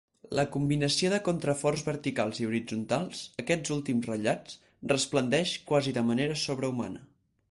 La combinació de contraforts verticals i horitzontals, aquests últims ratllats, resplendeix quasi de manera sobrehumana.